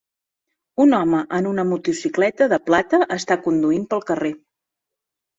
Un home en una motocicleta de plata està conduint pel carrer.